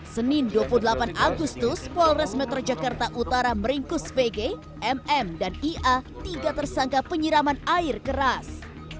senin dua puluh delapan agustus polres metro jakarta utara meringkus vg mm dan ia tiga tersangka penyiraman air keras